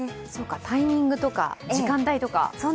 タイミングとか時間帯とか。